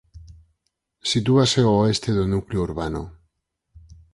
Sitúase ao oeste do núcleo urbano.